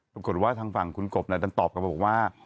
ปรากฏว่าทางฝั่งคุณกบตอบกับว่า